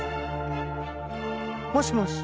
もしもし。